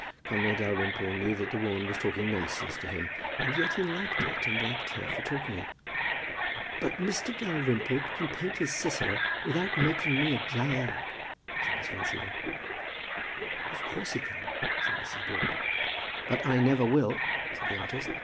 Conway Dalrymple knew that the woman was talking nonsense to him, and yet he liked it, and liked her for talking it. "But Mr. Dalrymple can paint his Sisera without making me a Jael," said Miss Van Siever. "Of course he can," said Mrs. Broughton. "But I never will," said the artist.